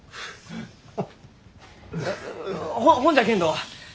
ほほんじゃけんど！